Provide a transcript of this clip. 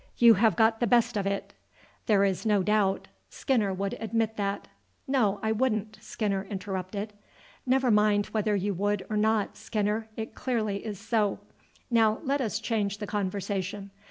You have got the best of it, there is no doubt. Skinner would admit that." "No I wouldn't," Skinner interrupted. "Never mind whether you would or not, Skinner, it clearly is so. Now, let us change the conversation.